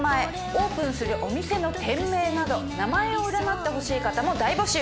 オープンするお店の店名など名前を占ってほしい方も大募集！